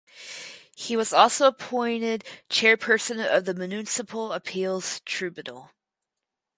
He was also appointed chairperson of the Municipal Appeals Tribunal.